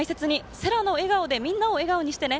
せらの笑顔でみんなを笑顔にしてね。